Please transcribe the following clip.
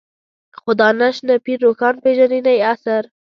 خو دانش نه پير روښان پېژني نه يې عصر.